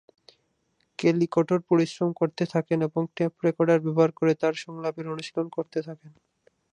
কেলি কঠোর পরিশ্রম করতে থাকেন এবং টেপ রেকর্ডার ব্যবহার করে তার সংলাপের অনুশীলন করতে থাকেন।